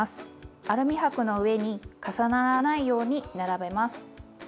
アルミ箔の上に重ならないように並べます。